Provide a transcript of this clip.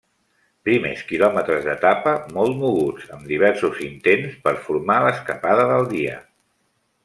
Primers quilòmetres d'etapa molt moguts, amb diversos intents per formar l'escapada del dia.